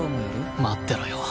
待ってろよ